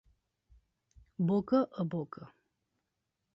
Boca a boca.